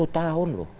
tujuh puluh tahun loh